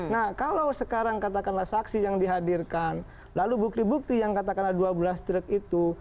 nah kalau sekarang katakanlah saksi yang dihadirkan lalu bukti bukti yang katakanlah dua belas truk itu